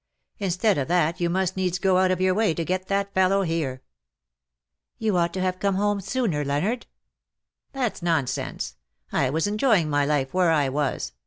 Instead of that you must needs go out of your way to get that fellow here.^^ " You ought to have come home sooner^ Leonard. ^^" That^'s nonsense. I was enjoying my life where I was.